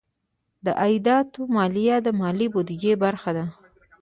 د عایداتو مالیه د ملي بودیجې برخه ده.